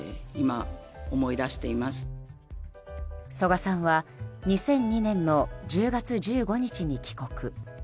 曽我さんは２００２年の１０月１５日に帰国。